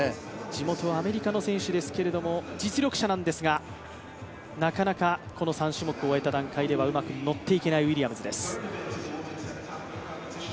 地元アメリカの選手ですけれども、実力者なんですが、なかなかこの３種目終えた段階ではうまくノっていけないウィリアムズです。